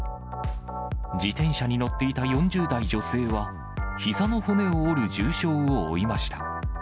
自転車に乗っていた４０代女性は、ひざの骨を折る重傷を負いました。